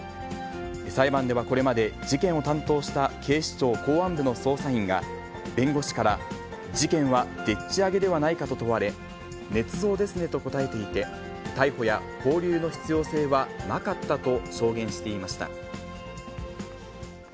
裁判ではこれまで、事件を担当した警視庁公安部の捜査員が、弁護士から事件はでっち上げではないかと問われ、ねつ造ですねと答えていて、逮捕や勾留の必要性はなかったと証言していました。